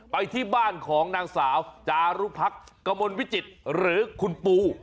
ไปที่บ้านของนางสาวจารุพักกระมวลวิจิตรหรือคุณปู